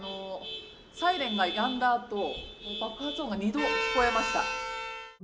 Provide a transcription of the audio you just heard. サイレンがやんだあと、爆発音が２度聞こえました。